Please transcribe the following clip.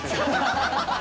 ハハハハ！